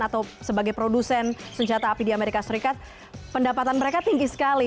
atau sebagai produsen senjata api di amerika serikat pendapatan mereka tinggi sekali